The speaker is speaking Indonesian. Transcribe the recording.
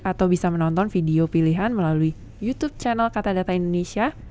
atau bisa menonton video pilihan melalui youtube channel katadata indonesia